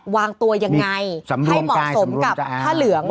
วางตัวยังไงให้เหมาะสมกับผ้าเหลือง